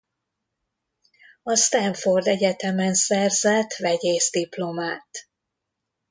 A Stanford Egyetemen szerzett vegyész diplomát.